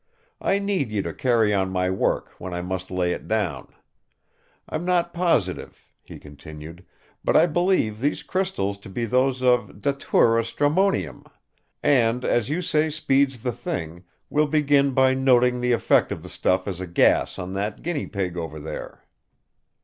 I need you to carry on my work when I must lay it down. I'm not positive," he continued, "but I believe these crystals to be those of Dhatura stramonium, and, as you say speed's the thing, we'll begin by noting the effect of the stuff as a gas on that guinea pig over there."